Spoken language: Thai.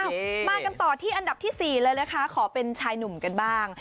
มากันต่อที่อันดับที่๔เลยนะคะขอเป็นชายหนุ่มกันบ้าง